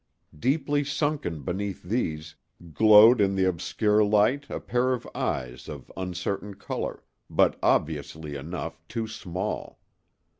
Deeply sunken beneath these, glowed in the obscure light a pair of eyes of uncertain color, but obviously enough too small.